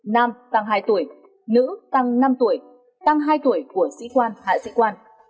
nam tăng hai tuổi nữ tăng năm tuổi tăng hai tuổi của sĩ quan hạ sĩ quan